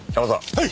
はい！